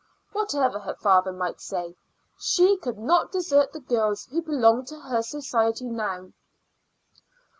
Whatever her father might say, she could not desert the girls who belonged to her society now.